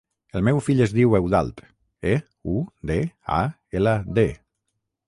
El meu fill es diu Eudald: e, u, de, a, ela, de.